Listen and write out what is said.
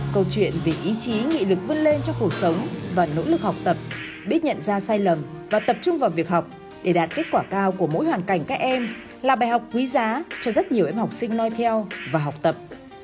câu chuyện về ý chí nghị lực vươn lên trong cuộc sống và nỗ lực học tập biết nhận ra sai lầm và tập trung vào việc học để đạt kết quả cao của mỗi hoàn cảnh các em là bài học quý giá cho rất nhiều em học sinh nói theo và học tập